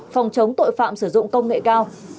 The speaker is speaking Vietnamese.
phòng chống tội phạm sử dụng công nghệ cao bộ công an tổ chức